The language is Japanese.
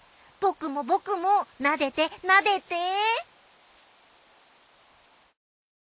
僕も僕もなでてなでて。